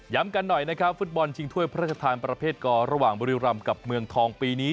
กันหน่อยนะครับฟุตบอลชิงถ้วยพระราชทานประเภทกอระหว่างบุรีรำกับเมืองทองปีนี้